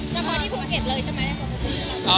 เฉพาะที่ภูเก็ตเลยใช่ไหม